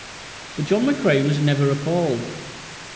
But John McCrae was never appalled.